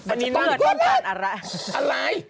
มันจะต้องการอะไร